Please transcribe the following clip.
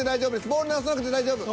ボール直さなくて大丈夫。